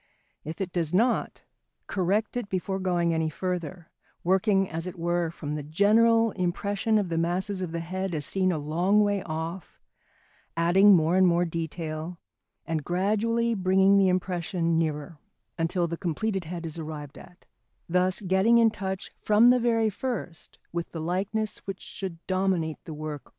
If it does not, correct it before going any further, working, as it were, from the general impression of the masses of the head as seen a long way off, adding more and more detail, and gradually bringing the impression nearer, until the completed head is arrived at, thus getting in touch from the very first with the likeness which should dominate the work all along.